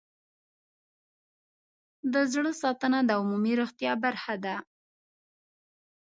د زړه ساتنه د عمومي روغتیا برخه ده.